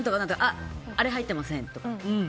あれ入ってませんとか。